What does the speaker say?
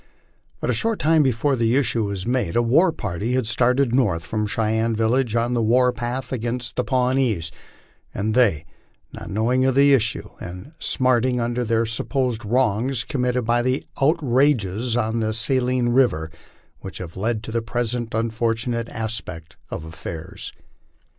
But a short time before the issue was made a war party had started north from the Cheyenne village, on the war path against the Pawnees ; and they, not knowing of the issue and smarting under their supposed wrongs, committed the outrages on the Saline river which have led to the present unfortunate aspect of affairs.